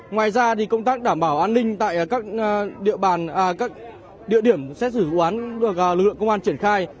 ngoài ra công tác đảm bảo an ninh tại các địa điểm xét xử của lưu lượng công an triển khai